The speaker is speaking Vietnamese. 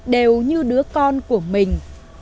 đều như đứa con của mình